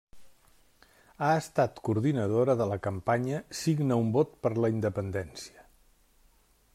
Ha estat coordinadora de la campanya Signa un Vot per la Independència.